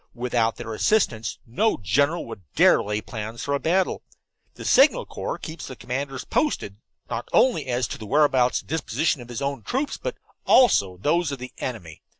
Without their assistance no general would dare lay plans for a battle. The Signal Corps keeps the commanders posted, not only as to the whereabouts and disposition of his own troops, but also of those of the enemy.